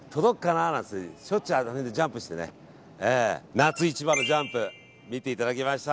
夏一番のジャンプ見ていただきました。